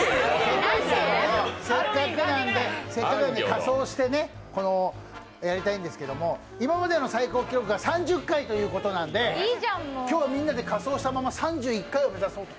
仮装してやりたいんですけど、今までの最高記録が３０回ということなんで、今日みんなで仮装したまま３１回を目指そうと。